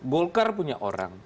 bolkar punya orang